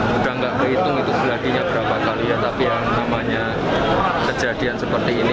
sudah nggak kehitung itu geladinya berapa kali ya tapi yang namanya kejadian seperti ini